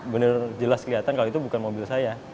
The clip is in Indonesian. benar jelas kelihatan kalau itu bukan mobil saya